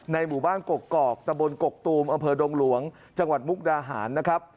หมู่บ้านกกอกตะบนกกตูมอำเภอดงหลวงจังหวัดมุกดาหารนะครับ